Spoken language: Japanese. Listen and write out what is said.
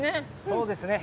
そうですね。